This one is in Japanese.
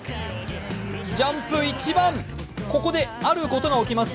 ジャンプ一番、ここで、あることが起きます。